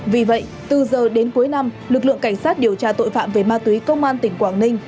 vì vậy từ giờ đến cuối năm lực lượng cảnh sát điều tra tội phạm về ma túy công an tỉnh quảng ninh